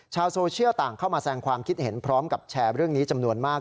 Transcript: ชาวโซเชียลต่างเข้ามาแสงความคิดเห็นพร้อมกับแชร์เรื่องนี้จำนวนมาก